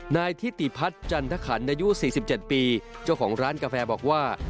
นายทิติพัฒน์จันทขันอายุ๔๗ปีเจ้าของร้านกาแฟบอกว่า